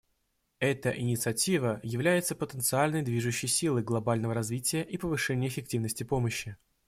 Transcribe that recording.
Эта инициатива является потенциальной движущей силой глобального развития и повышения эффективности помощи.